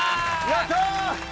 やった！